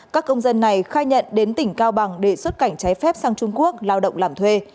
các công dân này khai nhận đến tỉnh cao bằng để xuất cảnh trái phép sang trung quốc lao động làm thuê